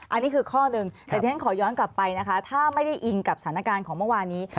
อันนี้คือข้อหนึ่งแต่ที่ฉันขอย้อนกลับไปนะคะถ้าไม่ได้อิงกับสถานการณ์ของเมื่อวานนี้